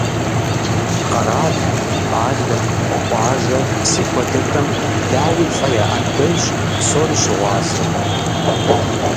Къэрал, къалэ, къуажэ, псы хуэдэхэм, дауи, цӀэ яӀэн хуейщ псори щыгъуазэу.